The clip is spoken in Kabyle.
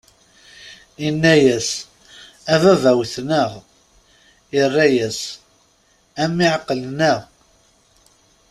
Inna-yas: "A baba, wwten-aɣ". Irra-yas: "A mmi, εeqlen-aɣ".